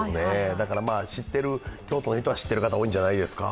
だから、京都の人は知っている方、多いんじゃないですか。